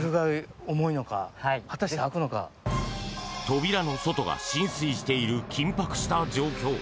扉の外が浸水している緊迫した状況！